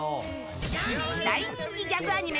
大人気ギャグアニメ